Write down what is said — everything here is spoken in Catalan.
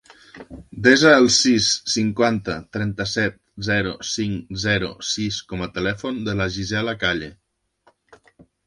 Desa el sis, cinquanta, trenta-set, zero, cinc, zero, sis com a telèfon de la Gisela Calle.